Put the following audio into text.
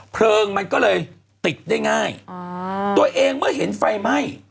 เพลิงมันก็เลยติดได้ง่ายตัวเองเมื่อเห็นไฟไหม้